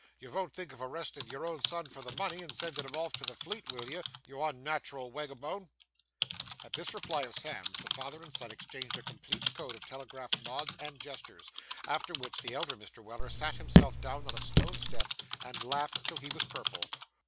You von't think o' arrestin' your own son for the money, and sendin' him off to the Fleet, will you, you unnat'ral wagabone?' At this reply of Sam's, the father and son exchanged a complete code of telegraph nods and gestures, after which, the elder Mr. Weller sat himself down on a stone step and laughed till he was purple.